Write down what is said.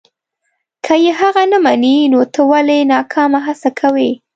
که یې هغه نه مني نو ته ولې ناکامه هڅه کوې.